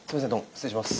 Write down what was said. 失礼します。